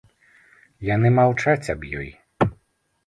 Яны маўчаць аб ёй.